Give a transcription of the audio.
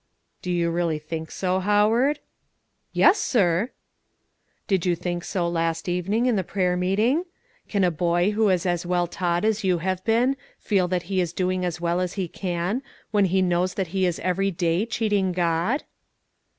"Do you really think so, Howard?" "Yes, sir." "Did you think so last evening, in the prayer meeting? Can a boy, who is as well taught as you have been, feel that he is doing as well as he can, when he knows that he is every day cheating God?"